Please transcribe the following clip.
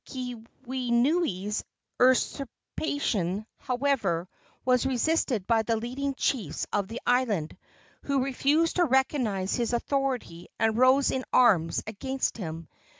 Keawenui's usurpation, however, was resisted by the leading chiefs of the island, who refused to recognize his authority and rose in arms against him.